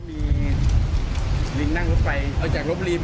มีจ